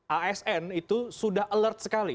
asn itu sudah alert sekali